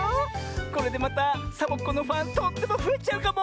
これでまたサボ子のファンとってもふえちゃうかも。